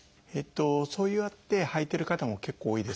そうやってはいてる方も結構多いです。